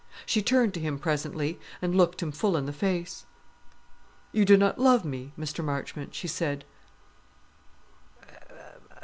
She turned to him presently, and looked him full in the face. "You do not love me, Mr. Marchmont?" she said.